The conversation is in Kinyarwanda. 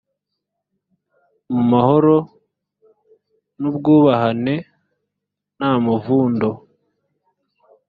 mu mahoro n ubwubahane nta muvundo